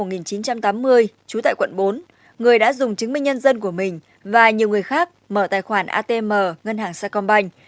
trú tại quận bốn người đã dùng chứng minh nhân dân của mình và nhiều người khác mở tài khoản atm ngân hàng sacombank